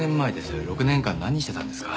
６年間何してたんですか？